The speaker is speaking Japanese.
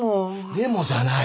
「でも」じゃない。